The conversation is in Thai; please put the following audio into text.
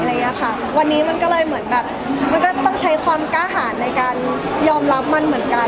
อะไรอย่างเงี้ยค่ะวันนี้มันก็เลยเหมือนแบบมันก็ต้องใช้ความกล้าหาดในการยอมรับมันเหมือนกัน